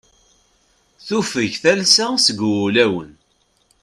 Tuffeg talsa seg wulawen.